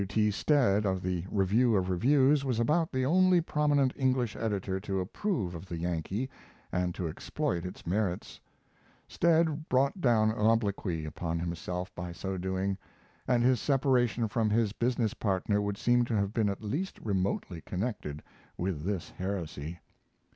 W. T. Stead, of the Review of Reviews, was about the only prominent English editor to approve of the Yankee and to exploit its merits. Stead brought down obloquy upon himself by so doing, and his separation from his business partner would seem to have been at least remotely connected with this heresy.